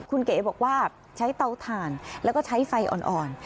คุณเก๋บอกว่าใช้เตาถ่านแล้วก็ใช้ไฟอ่อน